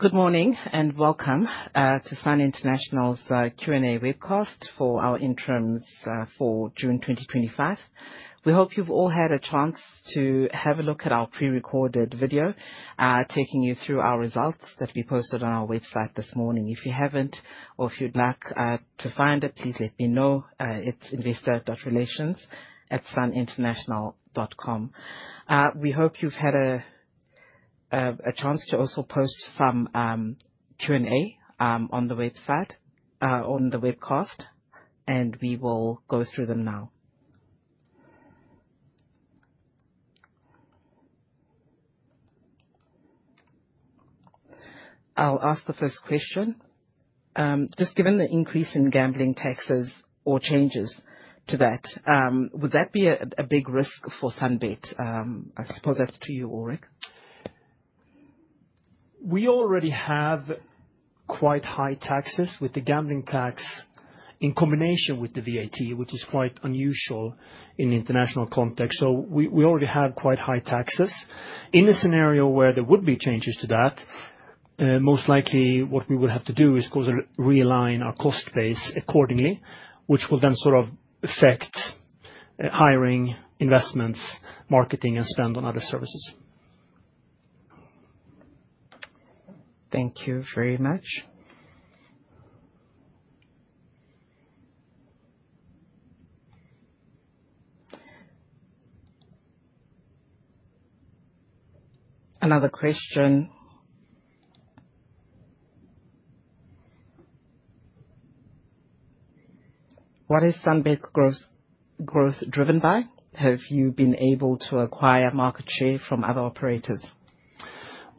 Good morning, and welcome, to Sun International's Q&A webcast for our interims, for June 2025. We hope you've all had a chance to have a look at our pre-recorded video, taking you through our results that we posted on our website this morning. If you haven't, or if you'd like, to find it, please let me know. It's investor.relations@suninternational.com. We hope you've had a chance to also post some Q&A, on the website, on the webcast, and we will go through them now. I'll ask the first question. Just given the increase in gambling taxes or changes to that, would that be a big risk for SunBet? I suppose that's to you, Ulrik. We already have quite high taxes with the gambling tax in combination with the VAT, which is quite unusual in international context, so we already have quite high taxes. In a scenario where there would be changes to that, most likely what we would have to do is go realign our cost base accordingly, which will then sort of affect hiring, investments, marketing, and spend on other services. Thank you very much. Another question: What is SunBet growth, growth driven by? Have you been able to acquire market share from other operators?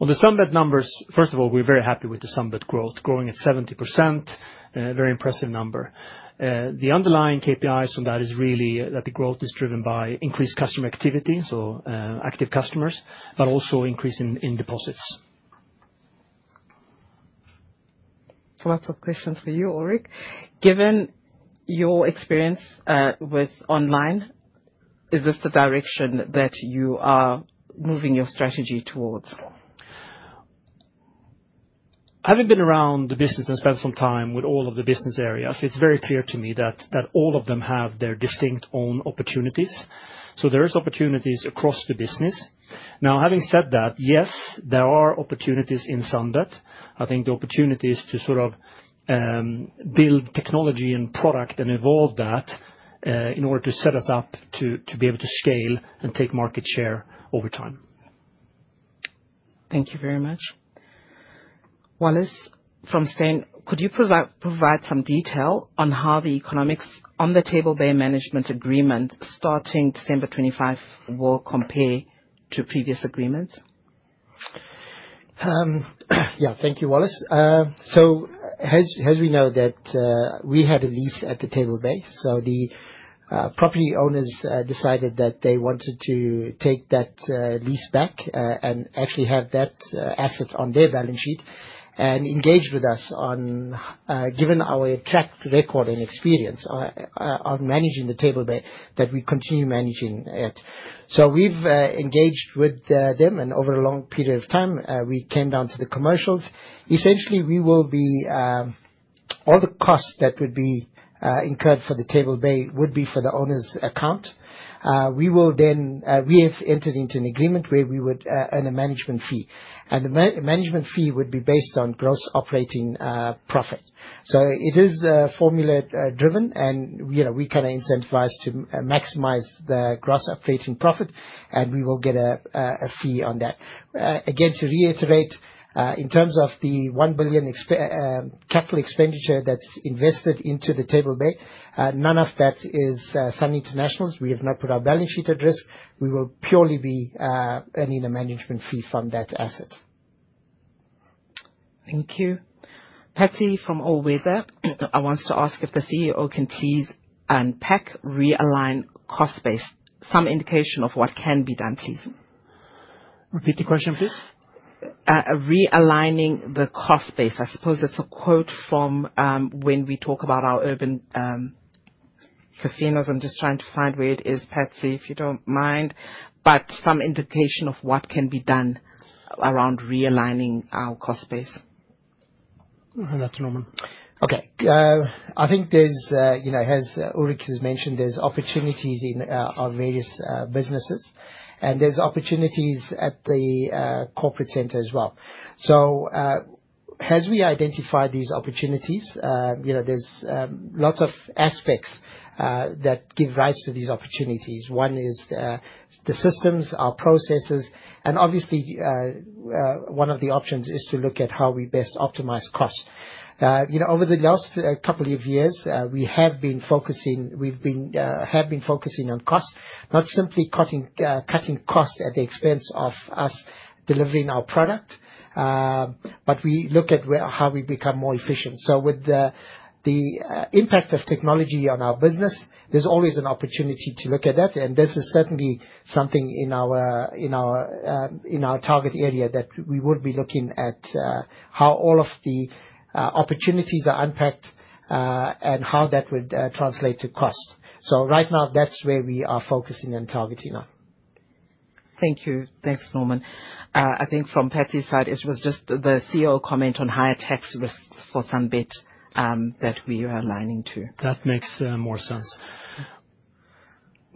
Well, the SunBet numbers. First of all, we're very happy with the SunBet growth. Growing at 70%, very impressive number. The underlying KPIs from that is really, that the growth is driven by increased customer activity, so, active customers, but also increase in, in deposits. Lots of questions for you, Ulrik. Given your experience, with online, is this the direction that you are moving your strategy towards? Having been around the business and spent some time with all of the business areas, it's very clear to me that all of them have their distinct own opportunities, so there is opportunities across the business. Now, having said that, yes, there are opportunities in SunBet. I think the opportunity is to sort of build technology and product and evolve that in order to set us up to be able to scale and take market share over time. Thank you very much. Wallace, from Saïnt, could you provide some detail on how the economics on the Table Bay management agreement starting December 25 will compare to previous agreements? Yeah. Thank you, Wallace. So, as we know that we had a lease at the Table Bay, so the property owners decided that they wanted to take that lease back and actually have that asset on their balance sheet, and engaged with us on... Given our track record and experience on managing the Table Bay, that we continue managing it. So we've engaged with them, and over a long period of time, we came down to the commercials. Essentially, all the costs that would be incurred for the Table Bay would be for the owner's account. We will then. We have entered into an agreement where we would earn a management fee, and the management fee would be based on gross operating profit. So it is formula driven, and, you know, we kind of incentivized to maximize the gross operating profit, and we will get a fee on that. Again, to reiterate, in terms of the 1 billion capital expenditure that's invested into the Table Bay, none of that is Sun International's. We have not put our balance sheet at risk. We will purely be earning a management fee from that asset. Thank you. Patsy from All Weather. I wanted to ask if the CEO can please unpack realign cost base, some indication of what can be done, please? Repeat the question, please. Realigning the cost base. I suppose it's a quote from when we talk about our urban casinos. I'm just trying to find where it is, Patsy, if you don't mind, but some indication of what can be done around realigning our cost base. That's Norman. Okay. I think there's, you know, as Ulrik has mentioned, there's opportunities in, our various, businesses, and there's opportunities at the, corporate center as well. So, as we identify these opportunities, you know, there's, lots of aspects, that give rise to these opportunities. One is, the systems, our processes, and obviously, one of the options is to look at how we best optimize costs. You know, over the last, couple of years, we have been focusing-- we've been, have been focusing on costs, not simply cutting, cutting costs at the expense of us delivering our product, but we look at where-- how we become more efficient. So with the impact of technology on our business, there's always an opportunity to look at that, and this is certainly something in our target area, that we would be looking at how all of the opportunities are unpacked, and how that would translate to cost. So right now, that's where we are focusing and targeting on.... Thank you. Thanks, Norman. I think from Patsy's side, it was just the CEO comment on higher tax risks for SunBet, that we are aligning to. That makes more sense.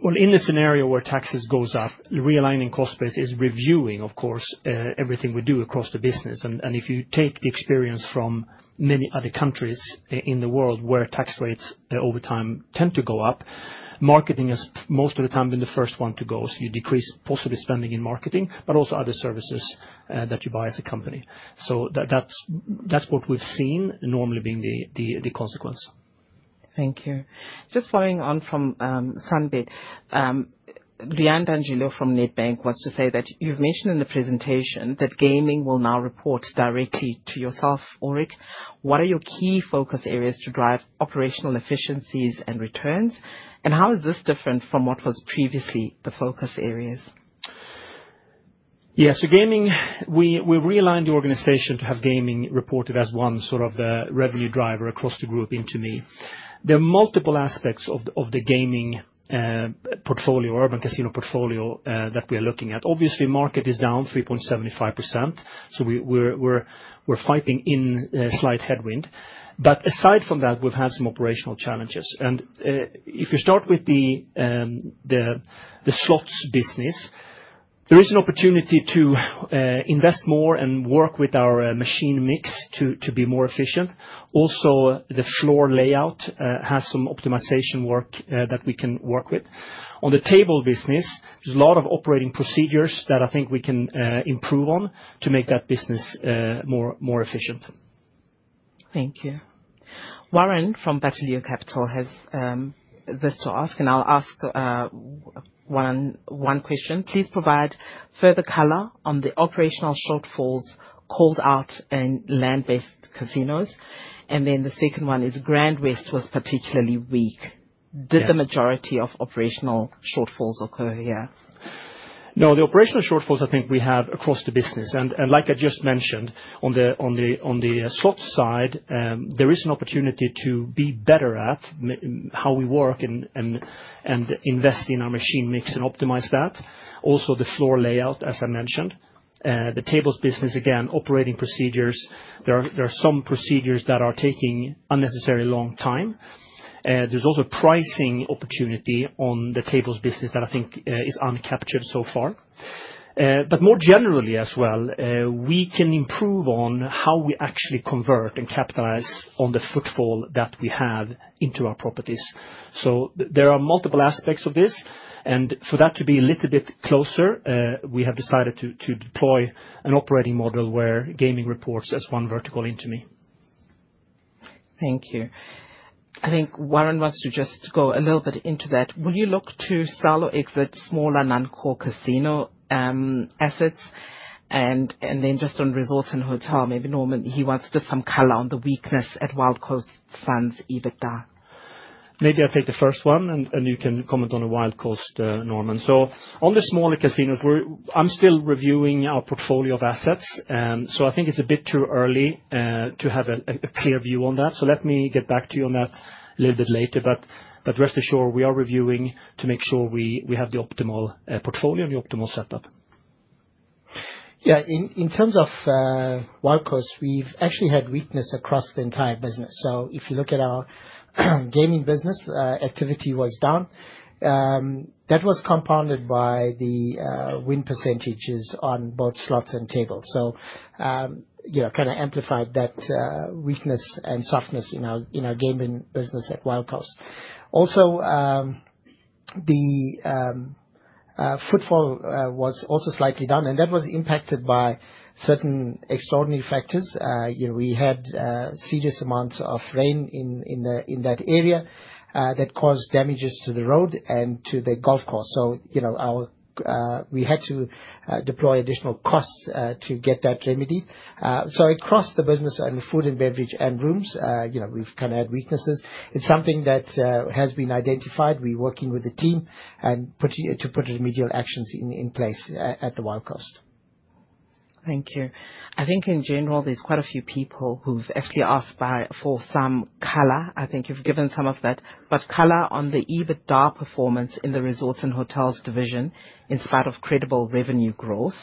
Well, in the scenario where taxes goes up, realigning cost base is reviewing, of course, everything we do across the business. And if you take the experience from many other countries in the world, where tax rates, over time tend to go up, marketing is most of the time, been the first one to go. So you decrease possibly spending in marketing, but also other services, that you buy as a company. So that's what we've seen normally being the consequence. Thank you. Just following on from SunBet, Leanne D'Angelo from Nedbank, wants to say that you've mentioned in the presentation that gaming will now report directly to yourself, Ulrik. What are your key focus areas to drive operational efficiencies and returns? And how is this different from what was previously the focus areas? Yes. So gaming, we've realigned the organization to have gaming reported as one, sort of, the revenue driver across the group into me. There are multiple aspects of the gaming portfolio, urban casino portfolio, that we're looking at. Obviously, market is down 3.75%, so we're fighting in a slight headwind. But aside from that, we've had some operational challenges. And if you start with the slots business, there is an opportunity to invest more and work with our machine mix to be more efficient. Also, the floor layout has some optimization work that we can work with. On the table business, there's a lot of operating procedures that I think we can improve on to make that business more efficient. Thank you. Warren from Bateleur Capital has this to ask, and I'll ask one, one question. Please provide further color on the operational shortfalls called out in land-based casinos. And then the second one is, GrandWest was particularly weak. Yeah. Did the majority of operational shortfalls occur here? No, the operational shortfalls, I think we have across the business. And like I just mentioned, on the slots side, there is an opportunity to be better at how we work and invest in our machine mix and optimize that. Also, the floor layout, as I mentioned. The tables business, again, operating procedures. There are some procedures that are taking unnecessarily long time. There's also pricing opportunity on the tables business that I think is uncaptured so far. But more generally as well, we can improve on how we actually convert and capitalize on the footfall that we have into our properties. So there are multiple aspects of this, and for that to be a little bit closer, we have decided to deploy an operating model where gaming reports as one vertical into me. Thank you. I think Warren wants to just go a little bit into that. Will you look to sell or exit smaller non-core casino assets? And then just on resorts and hotel, maybe, Norman, he wants just some color on the weakness at Wild Coast Sun's EBITDA. Maybe I'll take the first one, and you can comment on the Wild Coast, Norman. So on the smaller casinos, we're—I'm still reviewing our portfolio of assets. So I think it's a bit too early to have a clear view on that. So let me get back to you on that a little bit later, but rest assured, we are reviewing to make sure we have the optimal portfolio and the optimal setup. Yeah. In terms of Wild Coast, we've actually had weakness across the entire business. So if you look at our gaming business, activity was down. That was compounded by the win percentages on both slots and tables. So, you know, kind of amplified that weakness and softness in our gaming business at Wild Coast. Also, the footfall was also slightly down, and that was impacted by certain extraordinary factors. You know, we had serious amounts of rain in that area that caused damages to the road and to the golf course. So, you know, we had to deploy additional costs to get that remedied. So across the business and food and beverage and rooms, you know, we've kind of had weaknesses. It's something that has been identified. We're working with the team and putting remedial actions in place at the Wild Coast. Thank you. I think in general, there's quite a few people who've actually asked for some color. I think you've given some of that. But color on the EBITDA performance in the resorts and hotels division, in spite of considerable revenue growth.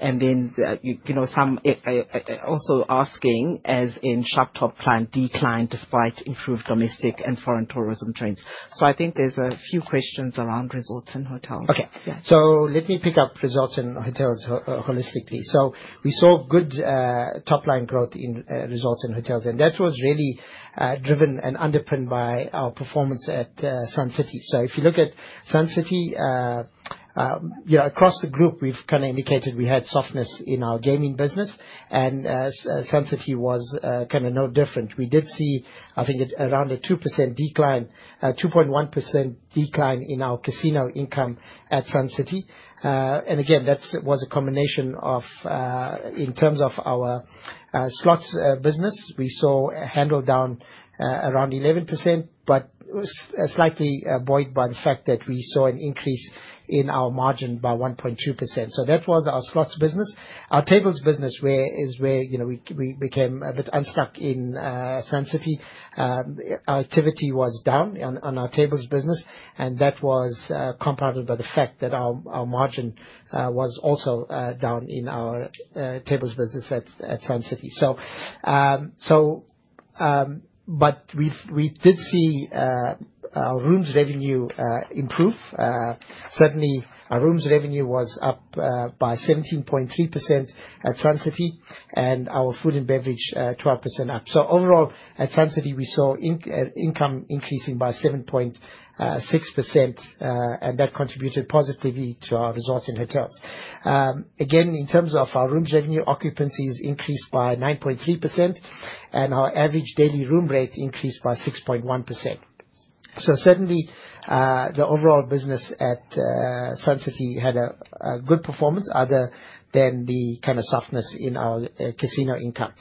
And then, you know, some also asking, as in sharp drop client decline, despite improved domestic and foreign tourism trends. So I think there's a few questions around resorts and hotels. Okay. Yeah. So let me pick up resorts and hotels holistically. So we saw good top-line growth in resorts and hotels, and that was really driven and underpinned by our performance at Sun City. So if you look at Sun City, you know, across the group, we've kind of indicated we had softness in our gaming business, and Sun City was kind of no different. We did see, I think at around a 2% decline, 2.1% decline in our casino income at Sun City. And again, that was a combination of, in terms of our slots business. We saw handle down around 11%, but slightly buoyed by the fact that we saw an increase in our margin by 1.2%. So that was our slots business. Our tables business, where is where, you know, we became a bit unstuck in Sun City. Our activity was down on our tables business, and that was compounded by the fact that our margin was also down in our tables business at Sun City. So, but we did see our rooms revenue improve. Certainly, our rooms revenue was up by 17.3% at Sun City, and our food and beverage 12% up. So overall, at Sun City, we saw income increasing by 7.6%, and that contributed positively to our resorts and hotels. Again, in terms of our rooms revenue, occupancies increased by 9.3%, and our average daily room rate increased by 6.1%. So certainly, the overall business at Sun City had a good performance other than the kind of softness in our casino income.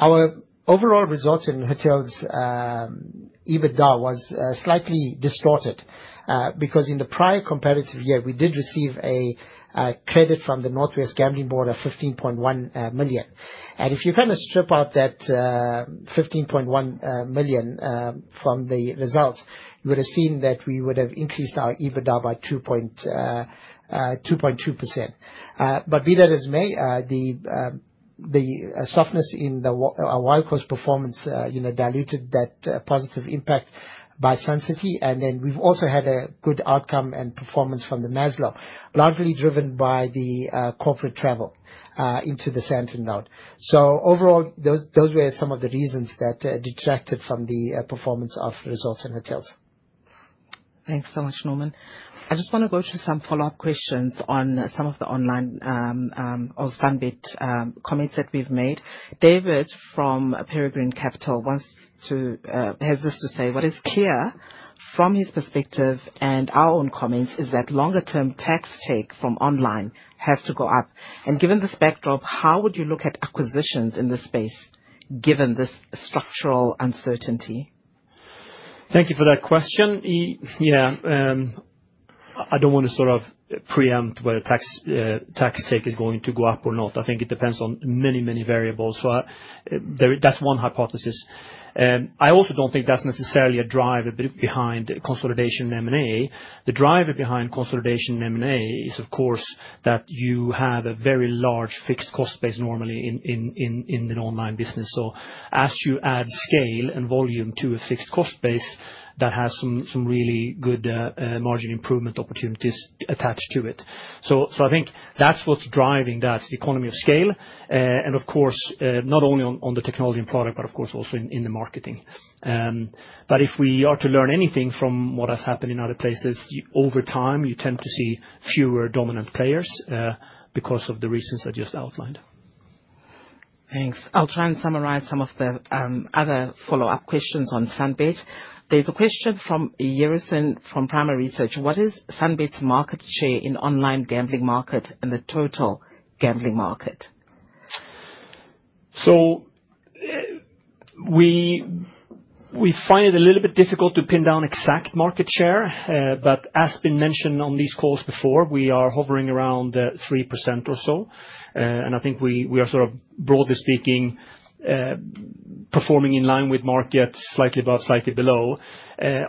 Our overall results in hotels EBITDA was slightly distorted because in the prior competitive year, we did receive a credit from the North West Gambling Board of 15.1 million. And if you kind of strip out that 15.1 million from the results, you would have seen that we would have increased our EBITDA by 2.2%. But be that as it may, the softness in our Wild Coast performance, you know, diluted that positive impact by Sun City, and then we've also had a good outcome and performance from The Maslow, largely driven by the corporate travel into the Sandton node. So overall, those were some of the reasons that detracted from the performance of resorts and hotels. Thanks so much, Norman. I just want to go through some follow-up questions on some of the online or SunBet comments that we've made. David from Peregrine Capital wants to has this to say: What is clear from his perspective and our own comments is that longer-term tax take from online has to go up. And given this backdrop, how would you look at acquisitions in this space, given this structural uncertainty? Thank you for that question. Yeah, I don't want to sort of preempt whether tax take is going to go up or not. I think it depends on many, many variables. So, that's one hypothesis. I also don't think that's necessarily a driver behind consolidation in M&A. The driver behind consolidation in M&A is, of course, that you have a very large fixed cost base, normally in an online business. So as you add scale and volume to a fixed cost base, that has some really good margin improvement opportunities attached to it. So I think that's what's driving that, it's the economy of scale, and of course, not only on the technology and product, but of course, also in the marketing. But if we are to learn anything from what has happened in other places, over time, you tend to see fewer dominant players, because of the reasons I just outlined. Thanks. I'll try and summarize some of the other follow-up questions on SunBet. There's a question from Euruson from Primary Research: What is SunBet's market share in online gambling market and the total gambling market? So, we find it a little bit difficult to pin down exact market share, but as has been mentioned on these calls before, we are hovering around 3% or so. And I think we are sort of, broadly speaking, performing in line with market, slightly above, slightly below.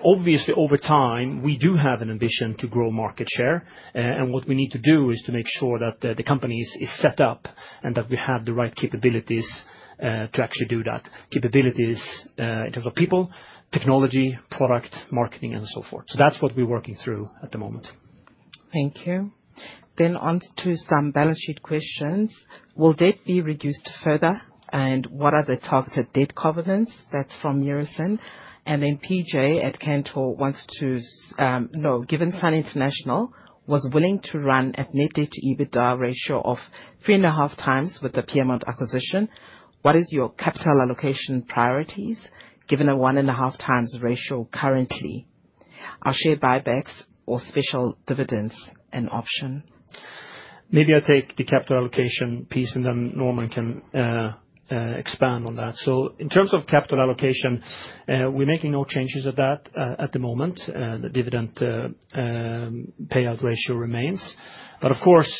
Obviously, over time, we do have an ambition to grow market share, and what we need to do is to make sure that the company is set up and that we have the right capabilities to actually do that. Capabilities in terms of people, technology, product, marketing, and so forth. So that's what we're working through at the moment. Thank you. Then on to some balance sheet questions. Will debt be reduced further? And what are the targeted debt covenants? That's from Euruson. And then PJ at Cantor wants to... No. Given Sun International was willing to run at net debt to EBITDA ratio of 3.5x with the Peermont acquisition, what is your capital allocation priorities, given a 1.5x ratio currently? Are share buybacks or special dividends an option? Maybe I'll take the capital allocation piece, and then Norman can expand on that. So in terms of capital allocation, we're making no changes of that at the moment. The dividend payout ratio remains. But of course,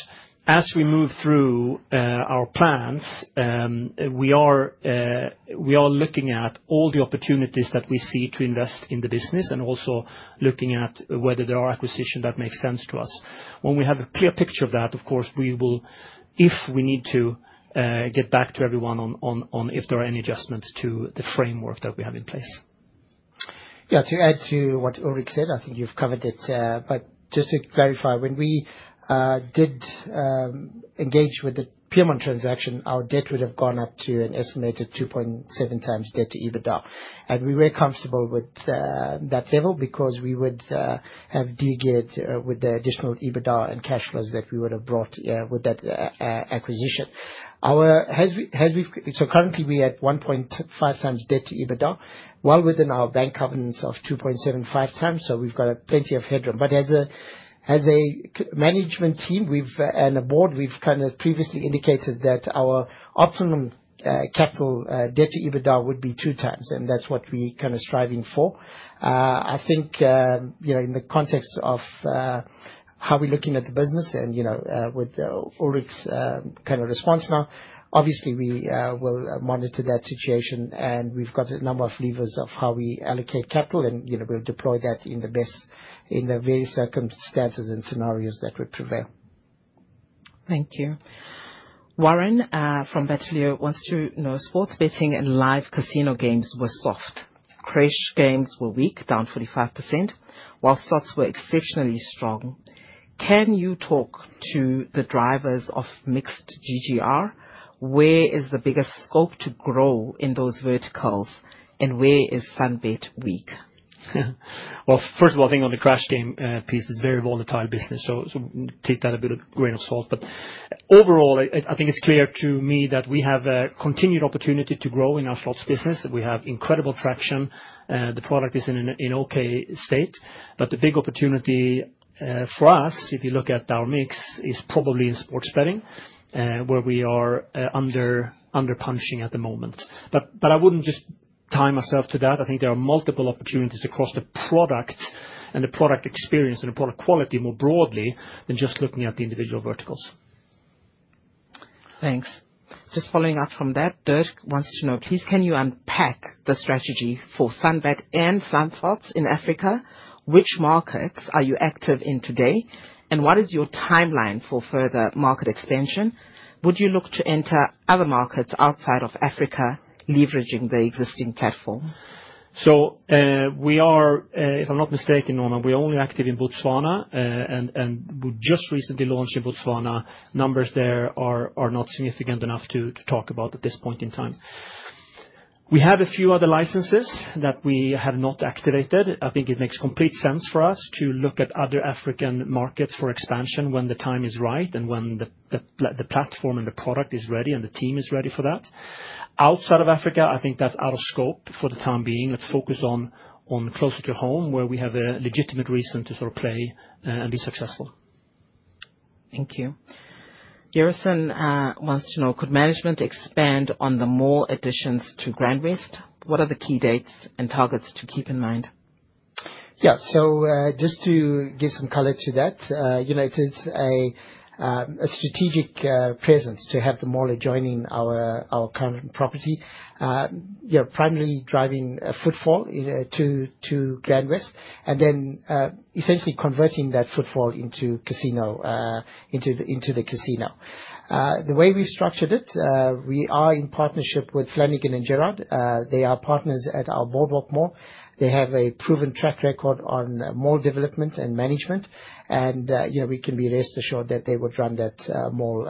as we move through our plans, we are looking at all the opportunities that we see to invest in the business, and also looking at whether there are acquisition that makes sense to us. When we have a clear picture of that, of course, we will, if we need to, get back to everyone on if there are any adjustments to the framework that we have in place. Yeah, to add to what Ulrik said, I think you've covered it, but just to clarify, when we did engage with the Peermont transaction, our debt would have gone up to an estimated 2.7 times debt to EBITDA. And we were comfortable with that level because we would have de-geared with the additional EBITDA and cash flows that we would have brought with that acquisition. So currently, we're at 1.5 times debt to EBITDA, well within our bank covenants of 2.75 times, so we've got plenty of headroom. But as a management team and a board, we've kind of previously indicated that our optimum capital debt to EBITDA would be 2 times, and that's what we're kind of striving for. I think, you know, in the context of how we're looking at the business and, you know, with Ulrik's kind of response now, obviously, we will monitor that situation, and we've got a number of levers of how we allocate capital, and, you know, we'll deploy that in the various circumstances and scenarios that would prevail.... Thank you. Warren from Bateleur wants to know, sports betting and live casino games were soft. Crash games were weak, down 45%, while slots were exceptionally strong. Can you talk to the drivers of mixed GGR? Where is the biggest scope to grow in those verticals, and where is SunBet weak? Well, first of all, I think on the crash game piece, it's a very volatile business, so take that with a grain of salt. But overall, I think it's clear to me that we have a continued opportunity to grow in our slots business. We have incredible traction, the product is in an okay state. But the big opportunity for us, if you look at our mix, is probably in sports betting, where we are under punching at the moment. But I wouldn't just tie myself to that. I think there are multiple opportunities across the product and the product experience and the product quality more broadly than just looking at the individual verticals. Thanks. Just following up from that, Dirk wants to know: Please, can you unpack the strategy for SunBet and SunSlots in Africa? Which markets are you active in today, and what is your timeline for further market expansion? Would you look to enter other markets outside of Africa, leveraging the existing platform? If I'm not mistaken, Norman, we are only active in Botswana. We just recently launched in Botswana. Numbers there are not significant enough to talk about at this point in time. We have a few other licenses that we have not activated. I think it makes complete sense for us to look at other African markets for expansion when the time is right and when the platform and the product is ready, and the team is ready for that. Outside of Africa, I think that's out of scope for the time being. Let's focus on closer to home, where we have a legitimate reason to sort of play and be successful. Thank you. Garrison wants to know: Could management expand on the mall additions to GrandWest? What are the key dates and targets to keep in mind? Yeah. So, just to give some color to that, you know, it is a strategic presence to have the mall adjoining our current property. Yeah, primarily driving footfall into GrandWest, and then essentially converting that footfall into the casino. The way we've structured it, we are in partnership with Flanagan & Gerard. They are partners at our Boardwalk mall. They have a proven track record on mall development and management, and, you know, we can be rest assured that they would run that mall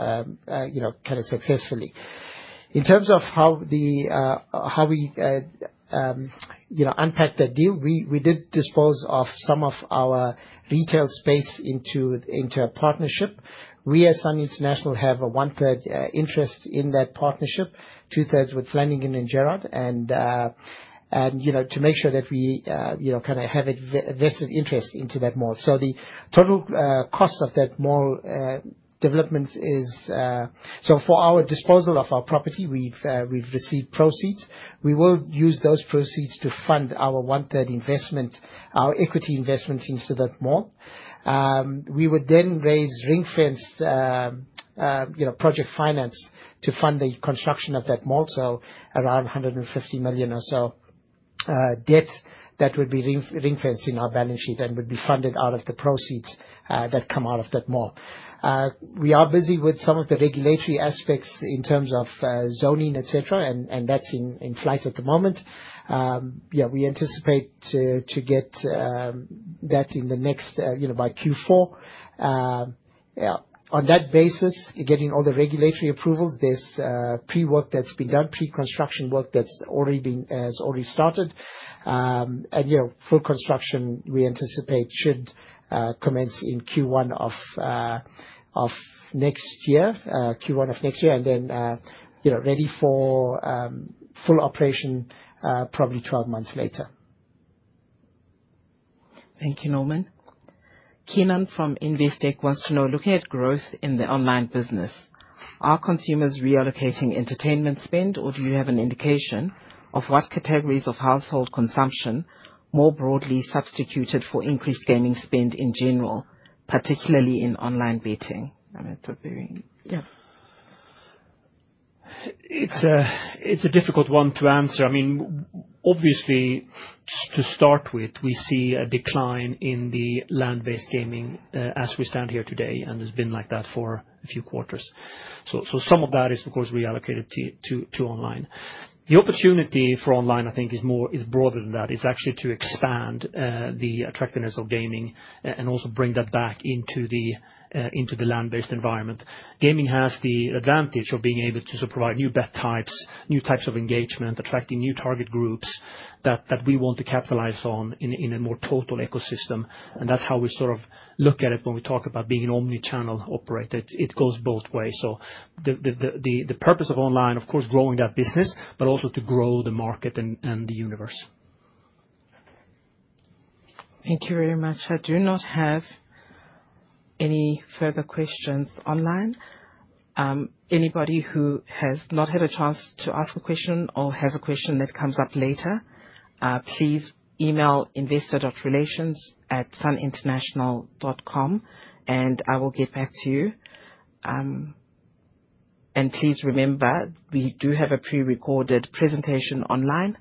kind of successfully. In terms of how we unpack that deal, we did dispose of some of our retail space into a partnership. We, at Sun International, have a one-third interest in that partnership, two-thirds with Flanagan and Gerard, and, and, you know, to make sure that we, you know, kind of have a vested interest into that mall. So the total cost of that mall development is. So for our disposal of our property, we've received proceeds. We will use those proceeds to fund our one-third investment, our equity investment into that mall. We would then raise ring-fenced, you know, project finance to fund the construction of that mall, so around 150 million or so, debt that would be ring-fenced in our balance sheet and would be funded out of the proceeds, that come out of that mall. We are busy with some of the regulatory aspects in terms of, zoning, et cetera, and that's in flight at the moment. Yeah, we anticipate to get that in the next, you know, by Q4. Yeah, on that basis, getting all the regulatory approvals, there's pre-work that's begun, pre-construction work that's already been—has already started. And, you know, full construction, we anticipate, should commence in Q1 of next year, Q1 of next year. And then, you know, ready for full operation, probably 12 months later. Thank you, Norman. Keenan from Investec wants to know: Looking at growth in the online business, are consumers reallocating entertainment spend, or do you have an indication of what categories of household consumption more broadly substituted for increased gaming spend in general, particularly in online betting? And it's a very- Yeah. It's a difficult one to answer. I mean, obviously, to start with, we see a decline in the land-based gaming as we stand here today, and it's been like that for a few quarters. So some of that is, of course, reallocated to online. The opportunity for online, I think, is more is broader than that. It's actually to expand the attractiveness of gaming and also bring that back into the into the land-based environment. Gaming has the advantage of being able to supply new bet types, new types of engagement, attracting new target groups that we want to capitalize on in a more total ecosystem, and that's how we sort of look at it when we talk about being an omni-channel operator. It goes both ways. So the purpose of online, of course, growing that business, but also to grow the market and the universe. Thank you very much. I do not have any further questions online. Anybody who has not had a chance to ask a question or has a question that comes up later, please email investor.relations@suninternational.com, and I will get back to you. Please remember, we do have a prerecorded presentation online.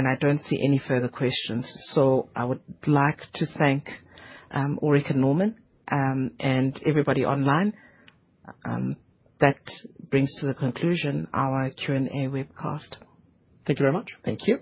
I don't see any further questions, so I would like to thank Ulrik and Norman, and everybody online. That brings to the conclusion our Q&A webcast. Thank you very much. Thank you.